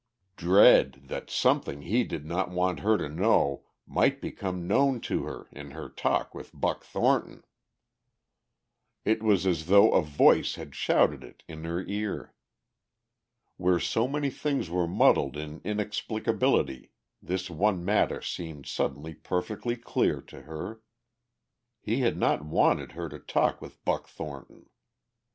"Dread that something he did not want her to know might become known to her in her talk with Buck Thornton!" It was as though a voice had shouted it in her ear. Where so many things were muddled in inexplicability this one matter seemed suddenly perfectly clear to her. He had not wanted her to talk with Buck Thornton!